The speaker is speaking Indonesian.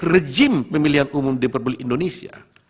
regim pemilihan umum di perpuluh indonesia